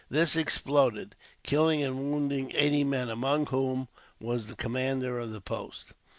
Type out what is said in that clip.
This exploded, killing and wounding eighty men, among whom was the commander of the post.